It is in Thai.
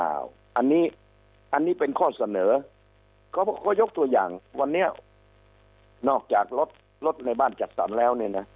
อันนี้เป็นข้อเสนอเขายกตัวอย่างวันนี้นอกจากรถในบ้านจัดสรรแล้ว